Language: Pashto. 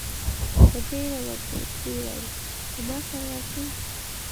په بېړه ودرېد، ويې ويل: له ما سره راځئ!